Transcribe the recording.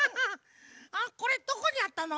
あっこれどこにあったの？